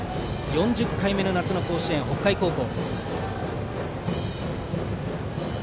４０回目の夏の甲子園、北海高校。